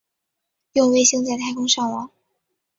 用卫星在太空上网